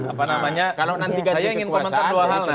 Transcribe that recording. kalau nanti ganti kekuasaan kita buka